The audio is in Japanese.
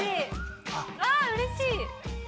うれしい。